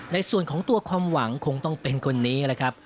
ในส่วนของตัวความหวังคงต้องเป็นคนนี้แหละครับ